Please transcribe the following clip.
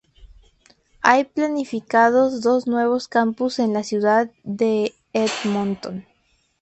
Hay planificados dos nuevos campus en la ciudad de Edmonton.